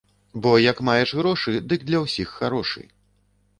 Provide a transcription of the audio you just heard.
Бо як маеш грошы, дык для ўсіх харошы.